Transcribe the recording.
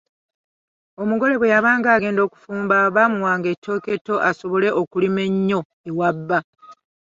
Omugole bwe yabanga aagenda okufumba bamuwanga ettooke etto asobole okulima ennyo ewa bba.